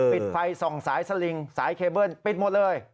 ปิดไฟส่องสายสลิงสายเคเบิ้ลปิดหมดเลย